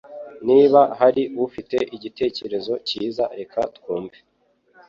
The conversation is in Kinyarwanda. Niba hari ufite igitekerezo cyiza reka twumve